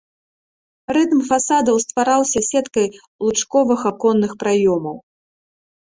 Рытм фасадаў ствараўся сеткай лучковых аконных праёмаў.